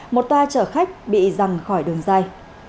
một toa chở khách bị răng khỏi đường dài